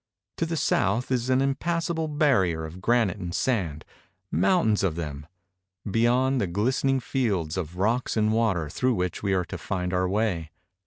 To the south is an impassable barrier of granite and sand — mountains of them — beyond the ghstening fields of rocks and water through which we are to find our way.